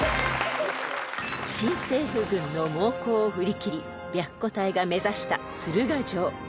［新政府軍の猛攻を振り切り白虎隊が目指した鶴ヶ城］